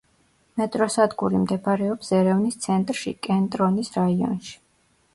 მეტროსადგური მდებარეობს ერევნის ცენტრში, კენტრონის რაიონში.